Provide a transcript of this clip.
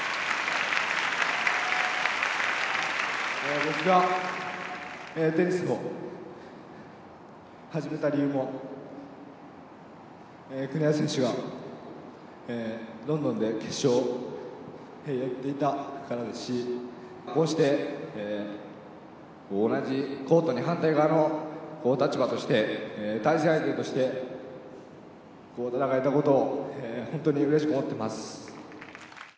僕がテニスを始めた理由も、国枝選手がロンドンで決勝をやっていたからですし、こうして同じコートに反対側の立場として、対戦相手として戦えたことを、本当にうれしく思ってます。